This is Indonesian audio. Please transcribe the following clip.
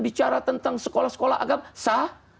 bicara tentang sekolah sekolah agama sah